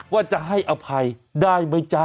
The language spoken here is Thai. ว่าจะให้อภัยได้ไหมจ๊ะ